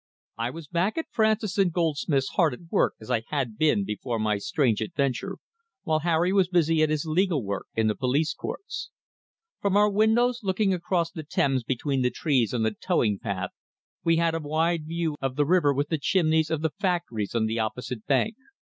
I was back at Francis and Goldsmith's hard at work as I had been before my strange adventure, while Harry was busy at his legal work in the police courts. From our windows looking across the Thames between the trees on the towing path we had a wide view of the river with the chimneys of the factories on the opposite bank.